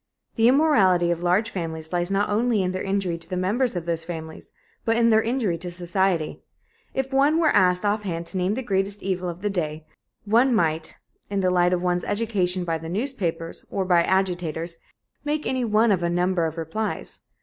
The immorality of large families lies not only in their injury to the members of those families but in their injury to society. If one were asked offhand to name the greatest evil of the day one might, in the light of one's education by the newspapers, or by agitators, make any one of a number of replies.